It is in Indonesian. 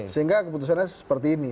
sehingga keputusannya seperti ini